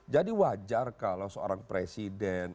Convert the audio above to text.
jadi wajar kalau seorang presiden